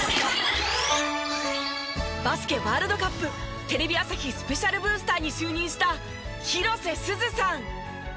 バスケワールドカップテレビ朝日スペシャルブースターに就任した広瀬すずさん。